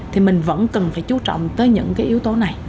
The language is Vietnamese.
thì mình vẫn cần phải chú trọng tới những cái yếu tố này